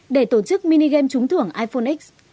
để tổ chức minigame trúng thưởng iphone x